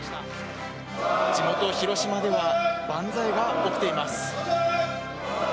地元・広島では万歳が起きています。